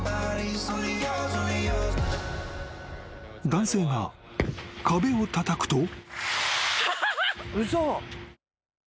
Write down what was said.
［男性が壁をたたくと］